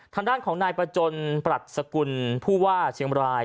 ฐานด้านของนายปจปรัชกุลภูวาเชียงบราย